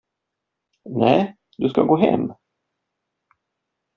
Nej, du ska gå hem.